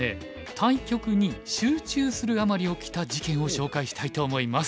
対局に集中するあまり起きた事件を紹介したいと思います。